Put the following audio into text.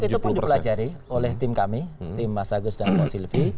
itu pun dipelajari oleh tim kami tim mas agus dan mas silvi